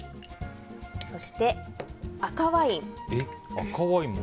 そして、赤ワイン。